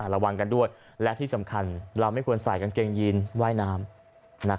ระวังกันด้วยและที่สำคัญเราไม่ควรใส่กางเกงยีนว่ายน้ำ